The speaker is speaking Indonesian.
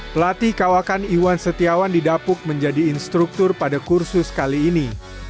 pelatih kawakan iwan setiawan didapuk menjadi instruktur pada kursus kali ini